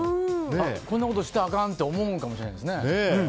こんなことしたらあかんって思うのかもしれませんね。